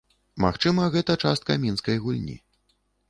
Магчыма, гэта частка мінскай гульні.